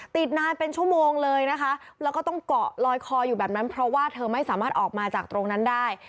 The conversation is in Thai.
ติดนานเป็นชั่วโมงเลยนะคะแล้วก็ต้องเกาะลอยคออยู่แบบนั้นเพราะว่าเธอไม่สามารถออกมาจากตรงนั้นได้